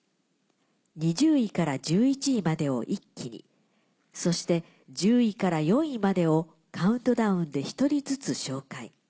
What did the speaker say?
２０位から１１位までを一気にそして１０位から４位までをカウントダウンで１人ずつ紹介。